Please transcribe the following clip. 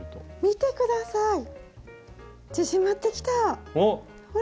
見て下さい縮まってきたほら！